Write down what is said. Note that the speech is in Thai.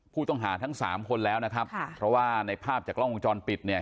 ผู้ต้องหาทั้งสามคนแล้วนะครับค่ะเพราะว่าในภาพจากกล้องวงจรปิดเนี่ย